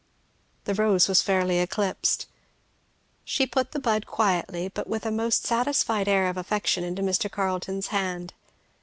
The rose was fairly eclipsed. She put the bud quietly but with a most satisfied air of affection into Mr. Carleton's hand.